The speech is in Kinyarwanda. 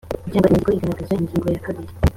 cyangwa inyandiko igaragaza ingingo ya kabiri